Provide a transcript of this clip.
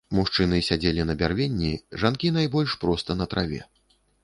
Мужчыны сядзелі на бярвенні, жанкі найбольш проста на траве.